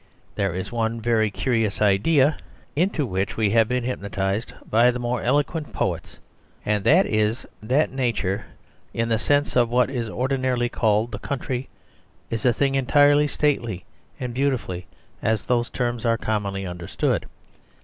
There is one very curious idea into which we have been hypnotised by the more eloquent poets, and that is that nature in the sense of what is ordinarily called the country is a thing entirely stately and beautiful as those terms are commonly understood.